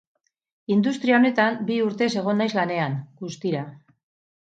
Industria honetan bi urtez egon naiz lanean, guztira.